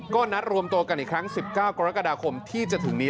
ก็นัดรวมตัวกันอีกครั้ง๑๙กรกฎาคมที่จะถึงนี้